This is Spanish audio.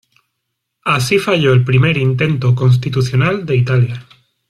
Así falló el primer intento constitucional de Italia.